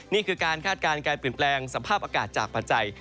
นี่คือการคาดการณ์การเปลี่ยนแปลงสภาพอากาศจากปัจจัย